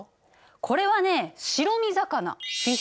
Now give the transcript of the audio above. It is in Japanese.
これはね白身魚。